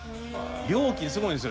料金すごいんですよ。